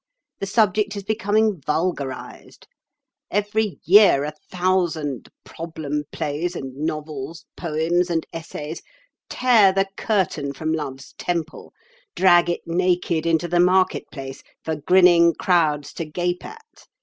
The subject is becoming vulgarised. Every year a thousand problem plays and novels, poems and essays, tear the curtain from Love's Temple, drag it naked into the market place for grinning crowds to gape at.